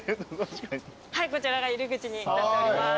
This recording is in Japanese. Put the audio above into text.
はいこちらが入り口になっております。